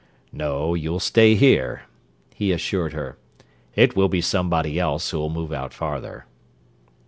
"No, you'll stay here," he assured her. "It will be somebody else who'll move out farther."